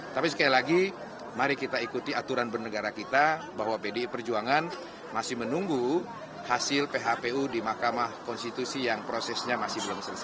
tapi sekali lagi mari kita ikuti aturan bernegara kita bahwa pdi perjuangan masih menunggu hasil phpu di mahkamah konstitusi yang prosesnya masih belum selesai